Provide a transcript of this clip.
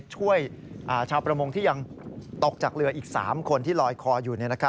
ชาวประมงที่ยังตกจากเรืออีก๓คนที่ลอยคออยู่